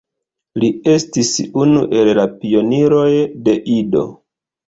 Li estis unu el la pioniroj de Ido.